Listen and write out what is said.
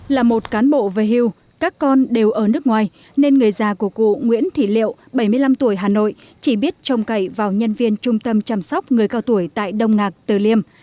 là một cán bộ về hưu các con đều ở nước ngoài nên người già của cụ nguyễn thị liệu bảy mươi năm tuổi hà nội chỉ biết trông cậy vào nhân viên trung tâm chăm sóc người cao tuổi tại đông ngạc từ liêm